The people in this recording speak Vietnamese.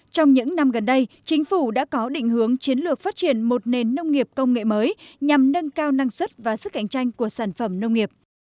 trong những năm gần đây chính phủ đã có định hướng chiến lược phát triển một nền nông nghiệp công nghệ mới nhằm nâng cao năng suất và sức cạnh tranh của sản phẩm nông nghiệp